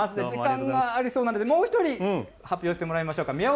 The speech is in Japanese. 時間がありそうなので、もう一人発表してもらいましょうか。